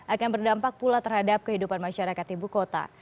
akan berdampak pula terhadap kehidupan masyarakat ibu kota